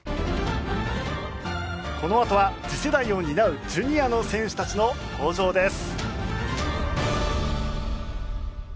このあとは次世代を担うジュニアの選手たちの登場です。